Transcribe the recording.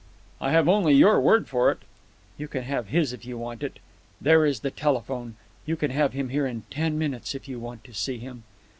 "I have only your word for it." "You can have his if you want it. There is the telephone. You can have him here in ten minutes if you want to see him."